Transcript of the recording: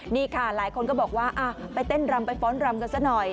นี่ค่ะหลายคนก็บอกว่าไปเต้นรำไปฟ้อนรำกันซะหน่อย